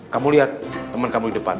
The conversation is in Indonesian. kamu lihat teman kamu di depan